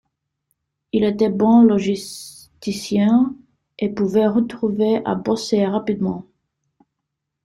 Il était bon logisticien et pouvait retrouver à bosser rapidement.